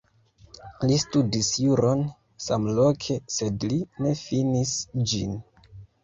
Li studis juron samloke, sed li ne finis ĝin.